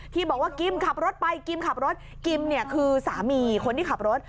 ที่บอกว่ากิมขับไปคือสามีคนที่ขับรถ